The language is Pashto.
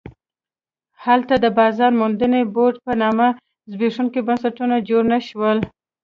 هلته د بازار موندنې بورډ په نامه زبېښونکي بنسټونه جوړ نه شول.